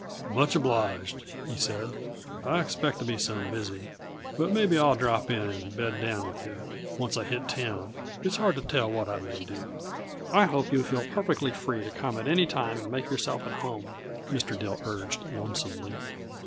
"Much obliged," he said. "I expect to be some busy, but maybe I'll drop in and bed down with yuh; once I hit town, it's hard to tell what I may do." "I hope you'll feel perfectly free to come at any time and make yourself at home," Mr. Dill urged lonesomely.